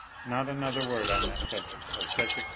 not another word on that subject of to you.